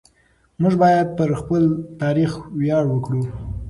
موږ باید پر خپل تاریخ ویاړ وکړو.